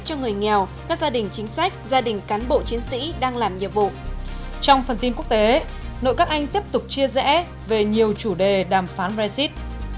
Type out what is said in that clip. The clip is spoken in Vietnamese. chương trình tiếp tục chia rẽ về nhiều chủ đề đàm phán brexit